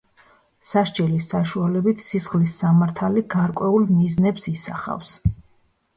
სასჯელის საშუალებით სისხლის სამართალი გარკვეულ მიზნებს ისახავს.